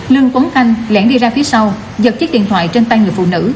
lương tuấn khanh lẹn đi ra phía sau dập chiếc điện thoại trên tay người phụ nữ